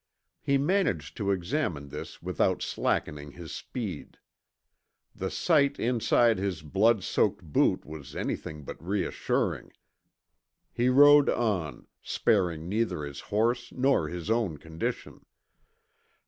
He managed to examine this without slackening his speed. The sight inside his blood soaked boot was anything but reassuring. He rode on, sparing neither his horse nor his own condition.